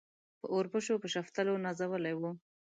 په اوربشو په شفتلو نازولي وو.